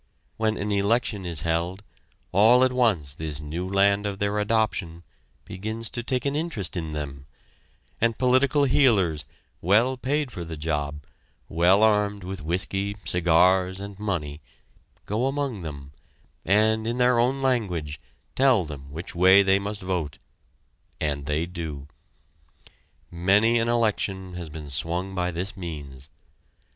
When an election is held, all at once this new land of their adoption begins to take an interest in them, and political heelers, well paid for the job, well armed with whiskey, cigars and money, go among them, and, in their own language, tell them which way they must vote and they do. Many an election, has been swung by this means.